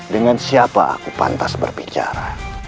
dengan siapa aku pantas berbicara